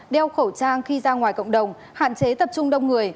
đeo khẩu trang khi ra ngoài cộng đồng hạn chế tập trung đông người